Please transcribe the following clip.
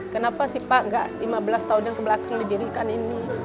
kenapa pak tidak lima belas tahun yang kebelakangan didirikan ini